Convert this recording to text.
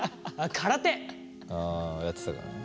あやってたからね。